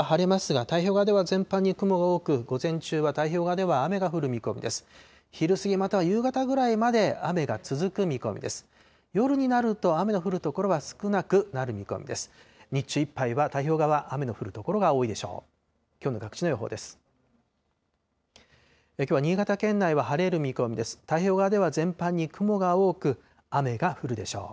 日中いっぱいは太平洋側、雨の降る所が多いでしょう。